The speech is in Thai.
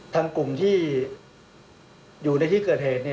ทางกลุ่มที่อยู่ในที่เกิดเหตุ